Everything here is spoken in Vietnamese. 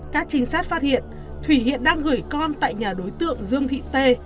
các trinh sát phát hiện thủy hiện đang gửi con tại nhà đối tượng dương thị tê